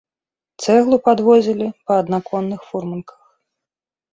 Цэглу падвозілі па аднаконных фурманках.